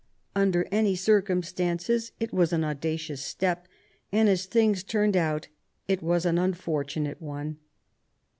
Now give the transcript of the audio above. Under any circumstances it was an audacious step, and as things turned out it was an unfortunate one.